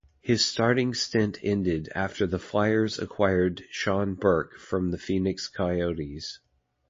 His starting stint ended after the Flyers acquired Sean Burke from the Phoenix Coyotes.